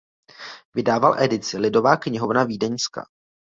Vydával edici Lidová knihovna vídeňská.